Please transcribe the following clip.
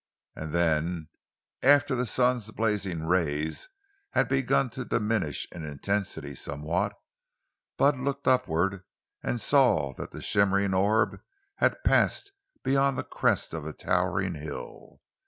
And then, after the sun's blazing rays had begun to diminish in intensity somewhat, Bud looked upward and saw that the shimmering orb had passed beyond the crest of a towering hill.